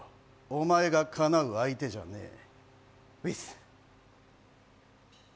お前がかなう相手じゃねえ。